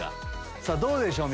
さぁどうでしょうか？